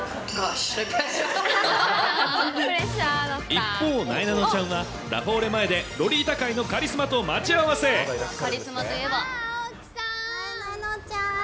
一方、なえなのちゃんはラフォーレ前でロリータ界のカリスマと待ち合わあー、ああ、なえなのちゃん。